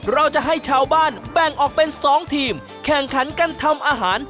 เราจะให้ชาวบ้านแบ่งออกเป็น๒ทีมแข่งขันกันทำอาหาร